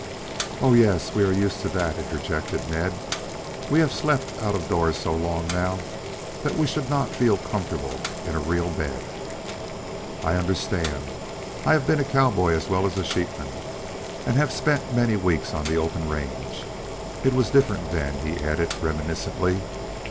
"Oh, yes, we are used to that," interjected Ned. "We have slept out of doors so long now that we should not feel comfortable in a real bed." "I understand. I have been a cowboy as well as sheepman, and have spent many weeks on the open range. It was different then," he added reminiscently.